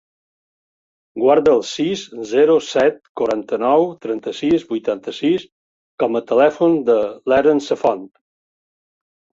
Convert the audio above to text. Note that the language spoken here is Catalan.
Guarda el sis, zero, set, quaranta-nou, trenta-sis, vuitanta-sis com a telèfon de l'Eren Safont.